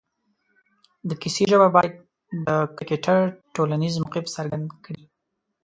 د کیسې ژبه باید د کرکټر ټولنیز موقف څرګند کړي